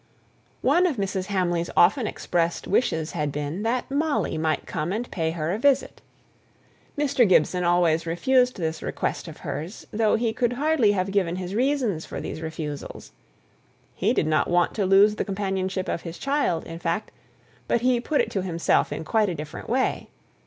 One of Mrs. Hamley's often expressed wishes had been, that Molly might come and pay her a visit. Mr. Gibson always refused this request of hers, though he could hardly have given his reasons for these refusals. He did not want to lose the companionship of his child, in fact; but he put it to himself in quite a different way.